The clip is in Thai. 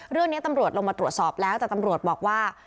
เรื่องนี้ตำรวจลงมาตรวจสอบแล้วแต่ตำรวจบอกว่า